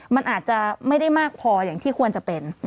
มันอาจจะไม่ได้มากพออย่างที่ควรจะเป็น